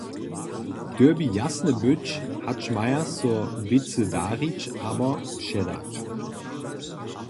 Dyrbi jasne być, hač maja so wěcy darić abo předać.